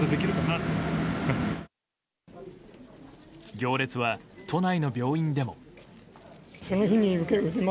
行列は、都内の病院でも。